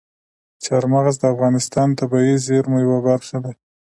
چار مغز د افغانستان د طبیعي زیرمو یوه برخه ده.